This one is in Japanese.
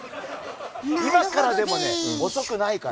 今からでも遅くないから。